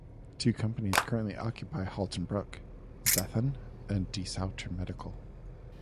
Two companies currently occupy Halton Brook, Zethon and DeSoutter Medical.